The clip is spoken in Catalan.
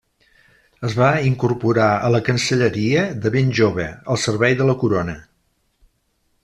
Es va incorporar a la Cancelleria de ben jove, al servei de la Corona.